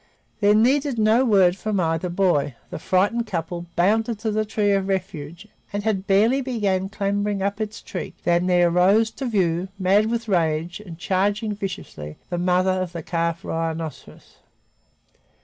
There needed no word from either boy; the frightened couple bounded to the tree of refuge and had barely begun clambering up its trunk than there rose to view, mad with rage and charging viciously, the mother of the calf rhinoceros.